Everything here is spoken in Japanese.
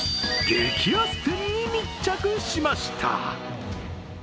激安店に密着しました。